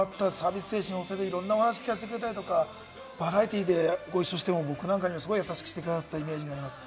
サービス精神旺盛で、いろんなお話聞かせてくれたり、バラエティーでご一緒しても僕なんかにもすごく優しくしてくださったイメージがあります。